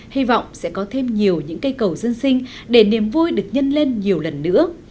hy vọng sẽ có thêm nhiều những cây cầu dân sinh để niềm vui được nhân lên nhiều lần nữa